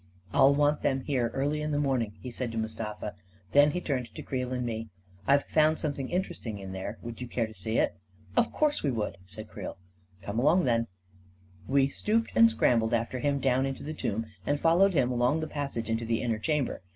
"I'll want them here early in the morning," he said to Mustafa, Then he turned to Creel and me* A KING IN BABYLON 211 " I've found something interesting in there," he said. " Would you care to see it? "" Of course we would! " said Creel. 11 Come along, then !" We stooped and scrambled after him down into the tomb, and followed him along the passage into the inner chamber.